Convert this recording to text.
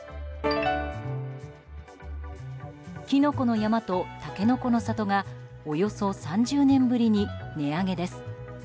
きのこの山とたけのこの里がおよそ３０年ぶりに値上げです。